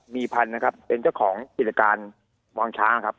มีพันธุ์นะครับเป็นเจ้าของกิจการวางช้างครับ